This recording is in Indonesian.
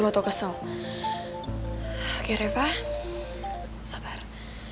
duh kok gue malah jadi mikir macem macem gini ya